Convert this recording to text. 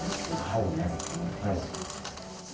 はい。